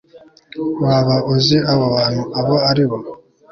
waba uzi abo bantu abo ari bo